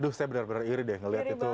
aduh saya benar benar iri deh ngeliat itu